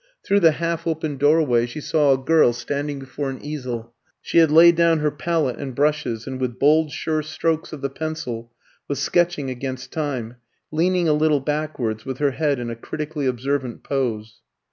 Through the half open doorway she saw a girl standing before an easel. She had laid down her palette and brushes, and with bold sure strokes of the pencil was sketching against time, leaning a little backwards, with her head in a critically observant pose.